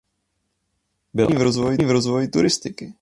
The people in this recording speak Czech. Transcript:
Byl aktivní v rozvoji turistiky.